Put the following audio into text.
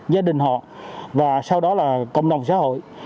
gia đình họ và sau đó là cộng đồng xã hội